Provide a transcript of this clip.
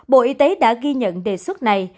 bộ y tế đã ghi nhận đề xuất này